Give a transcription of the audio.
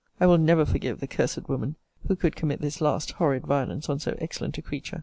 I will never forgive the cursed woman, who could commit this last horrid violence on so excellent a creature.